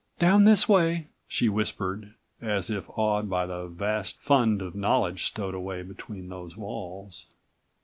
"Down this way," she whispered, as if awed by the vast fund of knowledge stowed away between those walls.